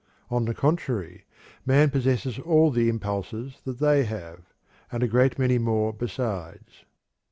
_On the contrary, man possesses all the impulses that they have, and a great many more besides.